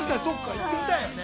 行ってみたいですね。